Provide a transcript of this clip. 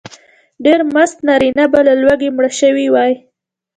ډېر مست نارینه به له لوږې مړه شوي وای.